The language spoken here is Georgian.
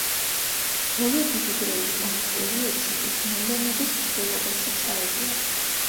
ბოლო დიდი დროის ომის პერიოდში ის მოვლენების მსვლელობაში ჩაერია.